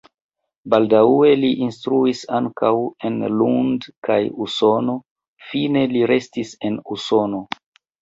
Baldaŭe li instruis ankaŭ en Lund kaj Usono, fine li restis en Usono.